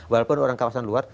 walaupun orang kawasan luar